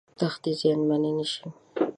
دښتې زیانمنې نشي.